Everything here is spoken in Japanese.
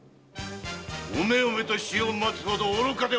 おめおめと死を待つほど愚かではない。